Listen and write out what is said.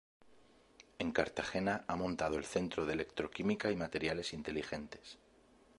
En Cartagena ha montado el Centro de Electroquímica y Materiales Inteligentes.